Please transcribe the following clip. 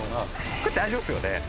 これ大丈夫ですよね。